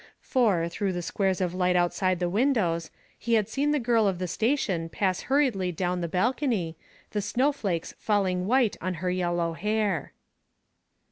For, through the squares of light outside the windows, he had seen the girl of the station pass hurriedly down the balcony, the snowflakes falling white on her yellow hair.